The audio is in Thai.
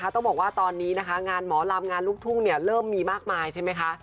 ต้องบอกว่าตอนนี้นะคะงานหมอลำงานลูกทุ่งเริ่มมีมากมายใช่ไหมคะ